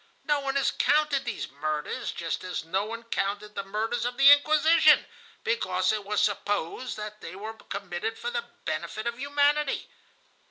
No one has counted these murders, just as no one counted the murders of the Inquisition, because it was supposed that they were committed for the benefit of humanity.